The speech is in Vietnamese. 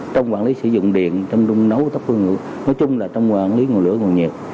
trong quản lý sử dụng điện trong nấu tóc hương lửa nói chung là trong quản lý nguồn lửa nguồn nhiệt